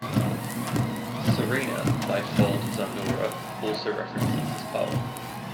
"Serena" by Fold Zandura also references this poem.